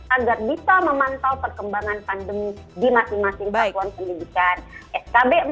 agar bisa memantau perkembangan pandemi di masing masing satuan pendidikan